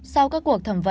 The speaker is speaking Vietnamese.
sau các cuộc thẩm vấn